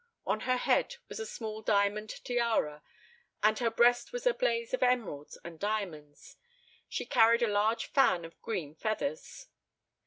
On her head was a small diamond tiara and her breast was a blaze of emeralds and diamonds. She carried a large fan of green feathers.